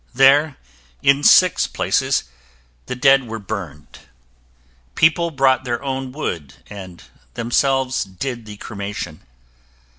There, in six places, the dead were burned. People brought their own wood and themselves did the cremation.